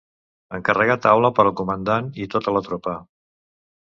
Encarregar taula per al comandant i tota la tropa.